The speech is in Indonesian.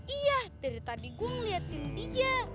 iya dari tadi gue ngeliatin dia